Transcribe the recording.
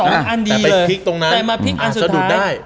แต่ไปพลิกตรงนั้นอาจจะดูดได้